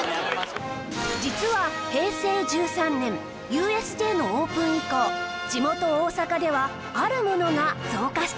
実は平成１３年 ＵＳＪ のオープン以降地元大阪ではあるものが増加しているんです